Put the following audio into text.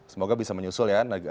semoga bisa menyusul ya